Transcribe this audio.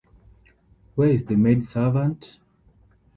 Where is the maid-servant?